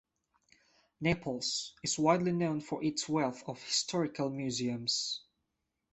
Naples is widely known for its wealth of historical museums.